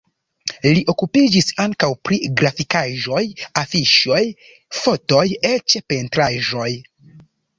Li okupiĝis ankaŭ pri grafikaĵoj, afiŝoj, fotoj, eĉ pentraĵoj.